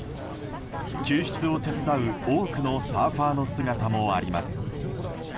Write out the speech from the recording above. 救出を手伝う、多くのサーファーの姿もあります。